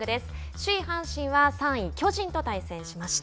首位阪神は、３位巨人と対戦しました。